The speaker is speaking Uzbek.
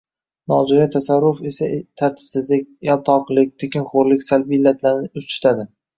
Nojo‘ya tasarruf esa tartibsizlik, yaltoqilik, tekinxo‘rlik salbiy illatlarni urchitadi